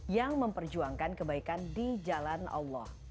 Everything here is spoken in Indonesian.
yang memperjuangkan kebaikan di jalan allah